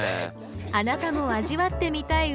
あなたも味わってみたい